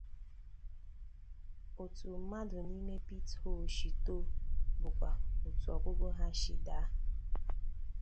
Otu mádu na ime Pithole shi tó bukwa òtù ọgụgụ ha shi da.